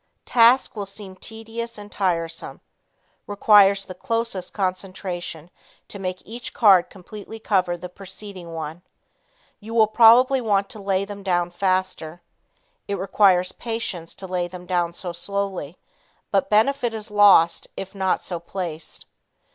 Task will seem tedious and tiresome. Requires the closest concentration to make each card completely cover the preceding one. You will probably want to lay them down faster. It requires patience to lay them down so slowly, but benefit is lost if not so placed.